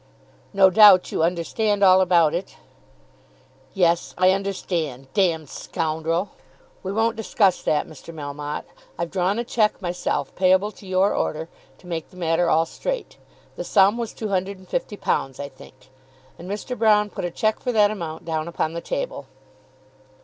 "No doubt you understand all about it." "Yes; I understand. D scoundrel!" "We won't discuss that, Mr. Melmotte. I've drawn a cheque myself, payable to your order, to make the matter all straight. The sum was £250, I think." And Mr. Broune put a cheque for that amount down upon the table.